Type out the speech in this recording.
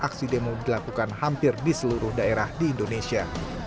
aksi demo dilakukan hampir di seluruh daerah di indonesia